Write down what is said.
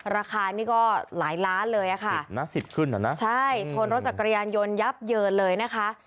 ราคานี่ก็หลายล้านเลยชนรถจากกระยานยนต์ยับเยินเลยนะคะ